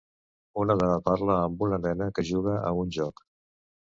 Una dona parla amb una nena que juga a un joc.